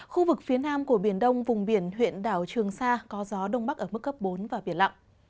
khu vực phía nam của biển đông vùng biển huyện đảo trường sa có gió đông bắc ở mức cấp bốn và biển lặng